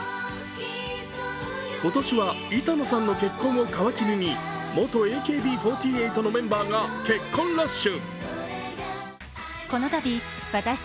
今年は板野さんの結婚を皮切りに元ＡＫＢ４８のメンバーが結婚ラッシュ。